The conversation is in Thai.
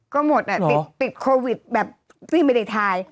ก็หมดติดโควิตไม่ได้ถ่าย